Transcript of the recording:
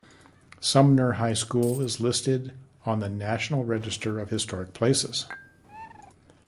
Sumner High School is listed on the National Register of Historic Places.